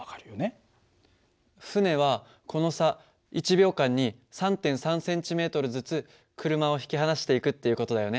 船はこの差１秒間に３．３ｃｍずつ車を引き離していくっていう事だよね。